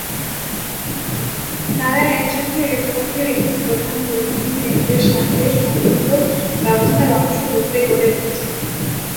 তারা একসাথে রেলপথের একটি প্রধান পরিবহন কেন্দ্রর সাথে সংহত ব্যবস্থার অংশ রূপে গড়ে উঠেছে।